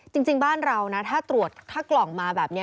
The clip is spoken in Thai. จริงบ้านเรานะถ้ากล่องมาแบบนี้